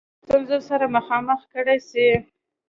ستونزو سره مخامخ کړه سي.